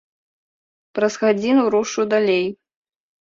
Праз гадзіну рушу далей.